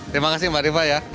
terima kasih mbak rifa ya